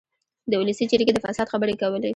د اولسي جرګې د فساد خبرې کولې.